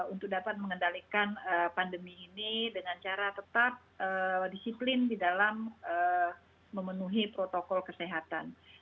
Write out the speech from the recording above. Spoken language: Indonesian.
untuk dapat mengendalikan pandemi ini dengan cara tetap disiplin di dalam memenuhi protokol kesehatan